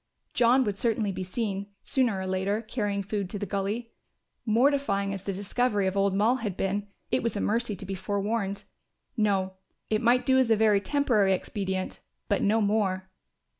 John would certainly be seen, sooner or later, carrying food to the gully. Mortifying as the discovery of old Moll had been, it was a mercy to be forewarned. No, it might do as a very temporary expedient, but no more.